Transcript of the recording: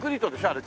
あれ。